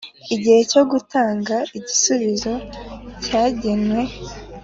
igihe cyo gutanga igisubizo cyagenwe